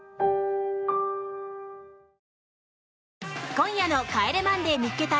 今夜の「帰れマンデー見っけ隊！！」